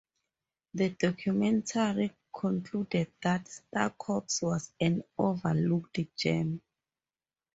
The documentary concluded that "Star Cops" was an "overlooked gem".